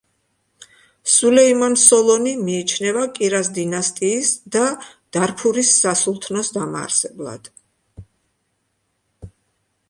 სულეიმან სოლონი მიიჩნევა კირას დინასტიის და დარფურის სასულთნოს დამაარსებლად.